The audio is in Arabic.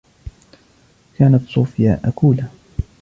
كانت صوفيا أكولة.